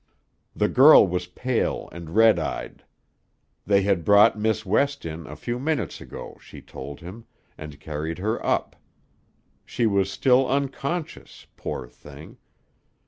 The girl was pale and red eyed. They had brought Miss West in a few minutes ago, she told him, and carried her up. She was still unconscious; poor thing!